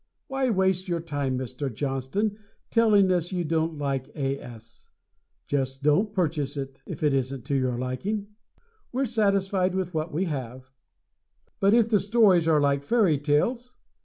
Why waste your time, Mr. Johnston, telling us you don't like A. S.? Just don't purchase it, if it isn't to your liking. We're satisfied with what we have. What if the stories are like fairy tales?